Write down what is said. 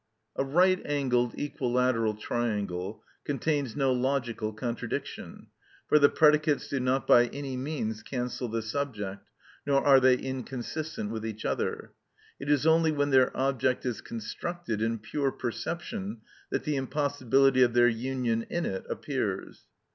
"A right angled equilateral triangle" contains no logical contradiction; for the predicates do not by any means cancel the subject, nor are they inconsistent with each other. It is only when their object is constructed in pure perception that the impossibility of their union in it appears.